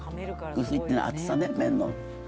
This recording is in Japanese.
薄いっていうのはね、厚さね、麺の。